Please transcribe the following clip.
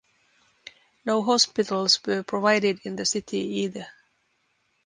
No hospitals were provided in the city either.